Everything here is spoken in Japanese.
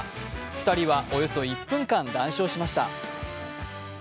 ２人はおよそ１分間、談笑しました。